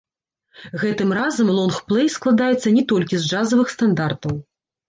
Гэтым разам лонгплэй складаецца не толькі з джазавых стандартаў.